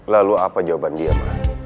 lalu apa jawaban dia